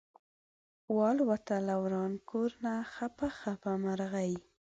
والوته له وران کور نه خپه خپه مرغۍ